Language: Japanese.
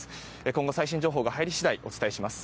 今後、最新情報が入り次第お伝えします。